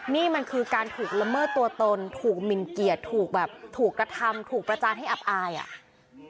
นี่มันคือการถูกละเมิดตัวตนถูกหมินเกียรติถูกแบบถูกกระทำถูกประจานให้อับอายอ่ะ